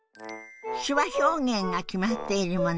手話表現が決まっているもの